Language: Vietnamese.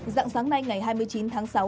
dặng sáng nay ngày hai mươi chín tháng sáu